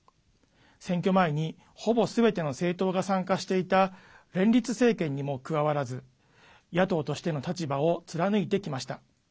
選挙前に、ほぼすべての政党が参加していた連立政権にも加わらず野党としての立場を貫いてきました。